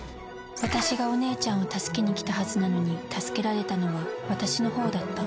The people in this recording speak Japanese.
私がお姉ちゃんを助けに来たはずなのに助けられたのは私のほうだった。